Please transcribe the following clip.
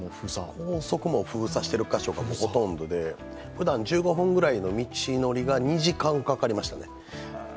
高速も封鎖してる箇所がほとんどでふだん、１５分ぐらいの道のりが２時間かかりましたね。